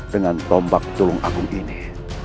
dengan tombak tulung agung ini